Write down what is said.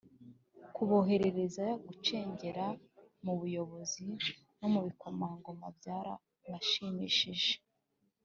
kuborohereza gucengera mu bayobozi no mu bikomangoma byarabashimishije